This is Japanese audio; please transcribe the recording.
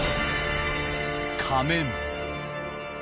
仮面。